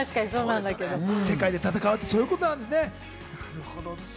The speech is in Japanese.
世界で戦うって、そういうことなんですね。